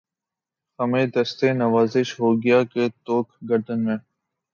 خمِ دستِ نوازش ہو گیا ہے طوق گردن میں